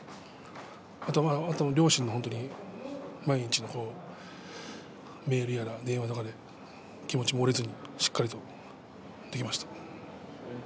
あとは両親、本当に毎日メールや電話やらで気持ちも折れずにしっかりできました。